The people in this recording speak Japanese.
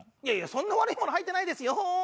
そんな悪いもの入ってないですよーだ！